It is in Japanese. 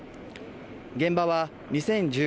現場は２０１９年